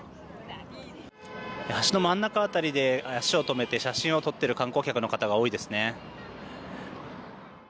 橋の真ん中辺りで足を止めて写真を撮っている観光客の方が多いですね。